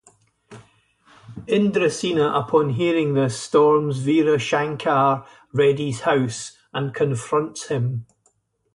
Indrasena, upon hearing this, storms Veera Shankar Redddy's house and confronts him.